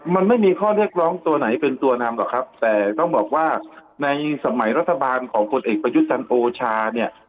มันไม่มีข้อเรียกร้องตัวไหนเป็นตัวนำหรอกครับแต่ต้องบอกว่าในสมัยรัฐบาลของคนเอกประยุทธ์จันทร์โอชาเนี่ย